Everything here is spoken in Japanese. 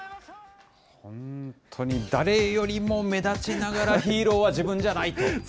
本当に誰よりも目立ちながら、ヒーローは自分じゃないと。